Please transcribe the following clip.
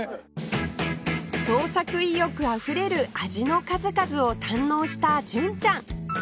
創作意欲あふれる味の数々を堪能した純ちゃん